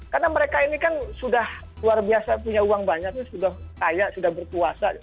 karena mereka ini kan sudah luar biasa punya uang banyak sudah kaya sudah berkuasa